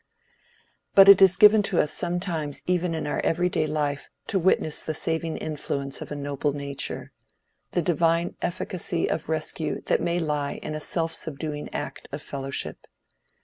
But it is given to us sometimes even in our every day life to witness the saving influence of a noble nature, the divine efficacy of rescue that may lie in a self subduing act of fellowship.